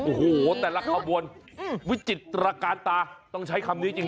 โอ้โหแต่ละขบวนวิจิตรการตาต้องใช้คำนี้จริง